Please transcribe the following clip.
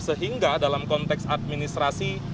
sehingga dalam konteks administrasi